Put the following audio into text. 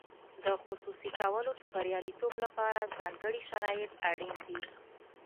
د خصوصي کولو د بریالیتوب لپاره ځانګړي شرایط اړین دي.